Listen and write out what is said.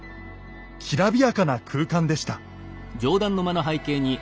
きらびやかな空間でした。